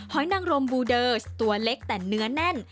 นางรมบูเดอร์สตัวเล็กแต่เนื้อแน่น